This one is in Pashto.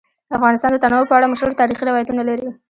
افغانستان د تنوع په اړه مشهور تاریخی روایتونه لري.